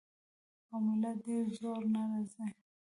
او ملا ډېر زور نۀ راځي -